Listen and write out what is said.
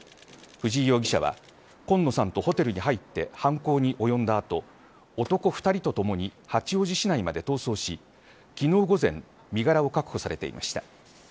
藤井容疑者は今野さんとホテルに入って犯行に及んだ後男２人とともに八王子市内まで逃走し、昨日午前身柄を確保されていました。